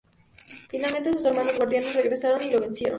Finalmente, sus hermanos Guardianes regresaron y lo vencieron.